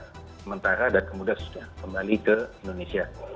sementara dan kemudian sudah kembali ke indonesia